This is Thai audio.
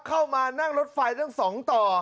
เข้ามานั่งรถไฟนั่งสองต่อ